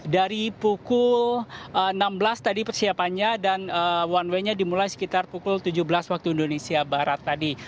dari pukul enam belas tadi persiapannya dan one way nya dimulai sekitar pukul tujuh belas waktu indonesia barat tadi